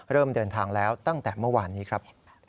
เริ่มเดินทางแล้วตั้งแต่เมื่อวานนี้ครับ